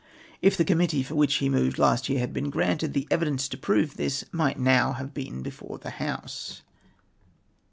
If the Committee for which he moved last year had lieen granted, the evidence to prove this might now have been before the House."